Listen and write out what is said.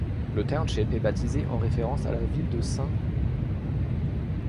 Le township est baptisé en référence à la ville de St.